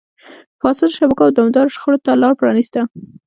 فاسدو شبکو او دوامداره شخړو ته لار پرانیسته.